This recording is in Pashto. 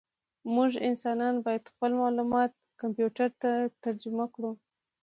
موږ انسانان باید خپل معلومات کمپیوټر ته ترجمه کړو.